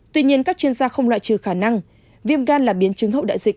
tuy nhiên các chuyên gia không loại trừ khả năng viêm gan là biến chứng hậu đại dịch